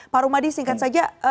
pak rumadi singkat saja